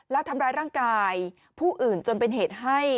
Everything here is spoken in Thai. และทำร้ายร่างกายผู้อื่นจนเป็นเหตุให้